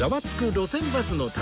路線バスの旅』